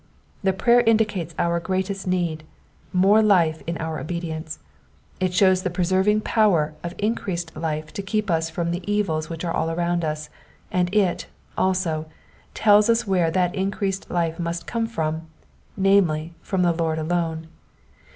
The prayer indicates our greatest need,— more life in our obedience. It shows the preserving power of increased life to keep us from the evils which are around us, and it, also, tells us where that increased life must come from, namely, from the Lord alone.